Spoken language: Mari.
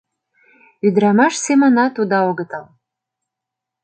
Ӱдырамаш семынат уда огытыл.